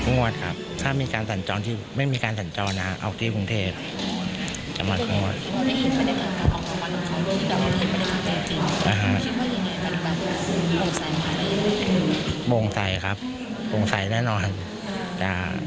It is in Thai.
งวดครับถ้ามีการสั่นจรที่ไม่มีการสั่นจรนะเอาที่ภูมิเทศจะมางวด